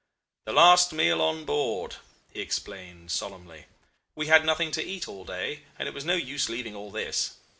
'The last meal on board,' he explained solemnly. 'We had nothing to eat all day, and it was no use leaving all this.